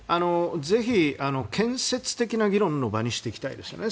ぜひ、建設的な議論の場にしていきたいですよね。